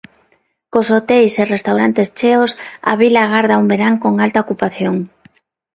Cos hoteis e restaurantes cheos, a vila agarda un verán con alta ocupación.